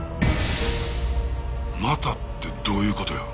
またってどういう事よ？